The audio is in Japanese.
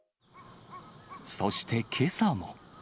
そしてけさも。